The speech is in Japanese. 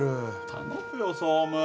頼むよ総務。